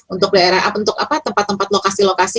untuk tempat tempat lokasi lokasi